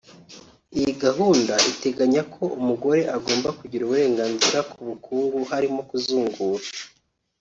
Iyi gahunda iteganya ko umugore agomba kugira uburenganzira ku bukungu harimo kuzungura